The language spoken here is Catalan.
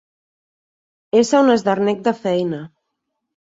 Ésser un esdernec de feina.